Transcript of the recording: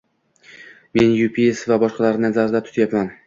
men Yupies va boshqalarni nazarda tutyapman.